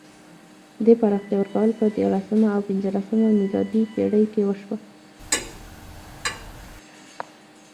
دې پراختیا ورکول په دیارلسمه او پنځلسمه میلادي پېړۍ کې وشوه.